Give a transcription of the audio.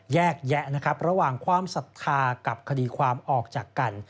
แยกแยะระหว่างความศาสถากับคดีความออกจากกัน